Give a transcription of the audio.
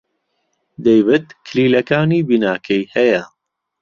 دەیڤد کلیلەکانی بیناکەی هەیە.